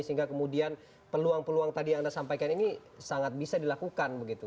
sehingga kemudian peluang peluang tadi yang anda sampaikan ini sangat bisa dilakukan begitu